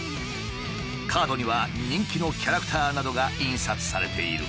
カードには人気のキャラクターなどが印刷されている。